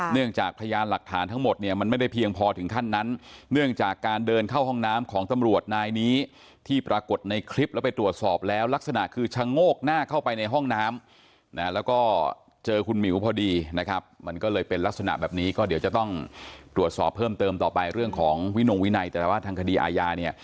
เนื่องจากพยานหลักฐานทั้งหมดเนี่ยมันไม่ได้เพียงพอถึงขั้นนั้นเนื่องจากการเดินเข้าห้องน้ำของตำรวจนายนี้ที่ปรากฏในคลิปแล้วไปตรวจสอบแล้วลักษณะคือชะโงกหน้าเข้าไปในห้องน้ำนะแล้วก็เจอคุณหมิวพอดีนะครับมันก็เลยเป็นลักษณะแบบนี้ก็เดี๋ยวจะต้องตรวจสอบเพิ่มเติมต่อไปเรื่องของวินงวินัยแต่ว่าทางคดีอาญาเนี่ย